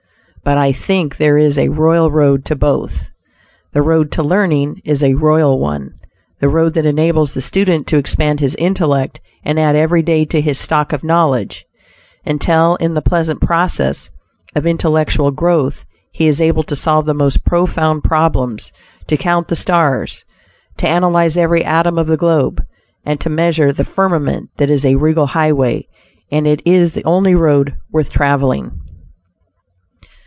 But I think there is a royal road to both. The road to learning is a royal one; the road that enables the student to expand his intellect and add every day to his stock of knowledge, until, in the pleasant process of intellectual growth, he is able to solve the most profound problems, to count the stars, to analyze every atom of the globe, and to measure the firmament this is a regal highway, and it is the only road worth traveling.